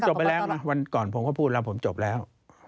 จบไปแล้วนะวันก่อนผมก็พูดแล้วผมจบแล้ว